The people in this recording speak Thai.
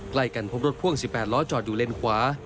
ใกล้กันพบรถพ่วง๑๘ล้อจอดอยู่เลนขวา